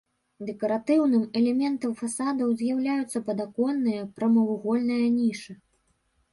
Дэкаратыўным элементам фасадаў з'яўляюцца падаконныя прамавугольныя нішы.